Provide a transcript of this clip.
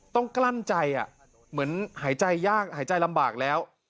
กลั้นใจเหมือนหายใจยากหายใจลำบากแล้ว